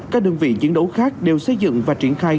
các đơn vị chiến đấu khác đều xây dựng và triển khai